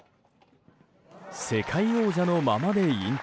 世界王者のままで引退。